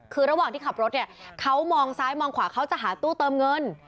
คือระหว่างที่ขับรถเนี่ยเขามองซ้ายมองขวาเขาจะหาตู้เติมเงิน